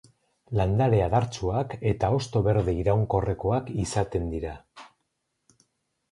Landare adartsuak eta hosto berde iraunkorrekoak izaten dira.